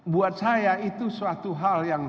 buat saya itu suatu hal yang